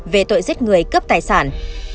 về tội giết người cướp tài sản